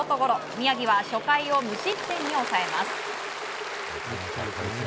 宮城は、初回を無失点に抑えます。